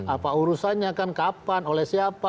apa urusannya kan kapan oleh siapa